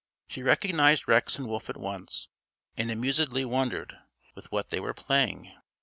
She recognized Rex and Wolf at once and amusedly wondered with what they were playing.